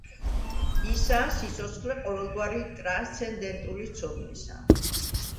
ისაა სიცოცხლე ყოველგვარი ტრანსცენდენტული ცოდნისა.